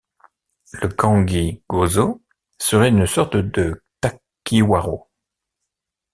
Le Gangi kozō serait une sorte de takiwaro.